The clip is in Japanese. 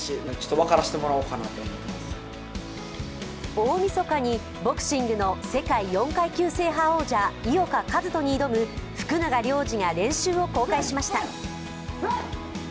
大みそかにボクシングの世界４階級制覇王者、井岡一翔に挑む福永亮次が練習を公開しました。